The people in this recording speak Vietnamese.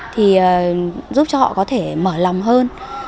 thì giúp cho họ có thể mở lòng hơn